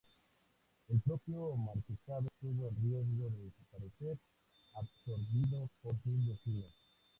El propio marquesado estuvo en riesgo de desaparecer absorbido por sus vecinos.